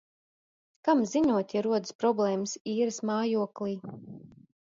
Kam ziņot, ja rodas problēmas īres mājoklī?